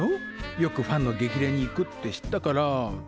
よくファンの激励に行くって知ったからつい。